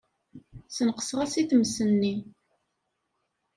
Sneqseɣ-as i tmes-nni.